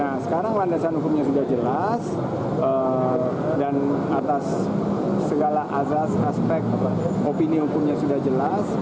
nah sekarang landasan hukumnya sudah jelas dan atas segala azas aspek opini hukumnya sudah jelas